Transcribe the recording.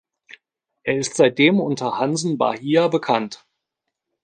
Er ist seitdem unter Hansen-Bahia bekannt.